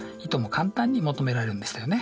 簡単に求められるんでしたよね。